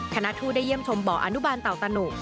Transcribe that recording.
คณะทูตได้เยี่ยมชมบ่ออนุบาลเต่าตะหนุ